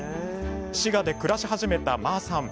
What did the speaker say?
滋賀で暮らし始めた馬さん。